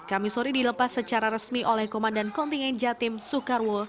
kami sore dilepas secara resmi oleh komandan kontingen jatim soekarwo